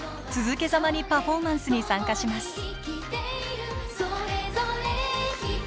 続けざまにパフォーマンスに参加します。